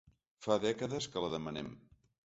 Fa dècades que la demanem.